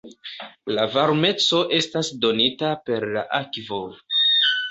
La varmeco estas donita per la akvo.